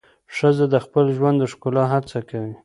ښځه د خپل ژوند د ښکلا هڅه کوي.